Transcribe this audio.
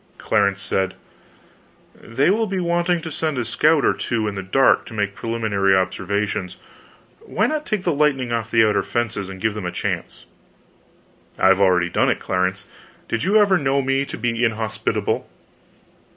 Clarence said: "They will be wanting to send a scout or two in the dark to make preliminary observations. Why not take the lightning off the outer fences, and give them a chance?" "I've already done it, Clarence. Did you ever know me to be inhospitable?"